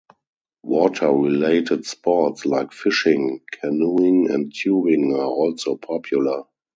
Water related sports like fishing, canoeing and tubing are also popular.